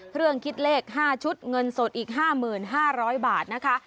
เครื่องคิดเลขห้าชุดเงินสดอีกห้ามึงห้าร้อยบาท